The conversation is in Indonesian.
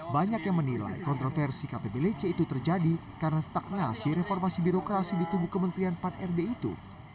banyak yang menilai kontroversi kpblc itu terjadi karena stagnasi reformasi birokrasi di tubuh kementerian pan rb itu